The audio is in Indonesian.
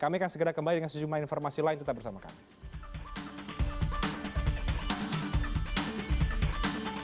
kami akan segera kembali dengan sejumlah informasi lain tetap bersama kami